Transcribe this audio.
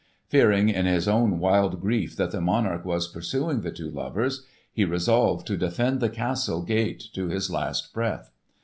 Fearing in his own wild grief that the monarch was pursuing the two lovers, he resolved to defend the castle gate to his last breath.